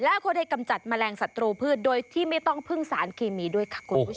แล้วก็ได้กำจัดแมลงศัตรูพืชโดยที่ไม่ต้องพึ่งสารเคมีด้วยค่ะคุณผู้ชม